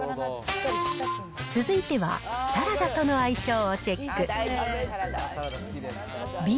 続いては、サラダとの相性をチェック。